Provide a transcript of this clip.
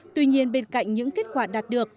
tuy nhiên bên cạnh những kết quả đạt được